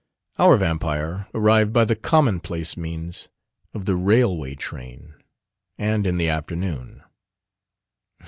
Our Vampire arrived by the commonplace means of the railway train, and in the afternoon.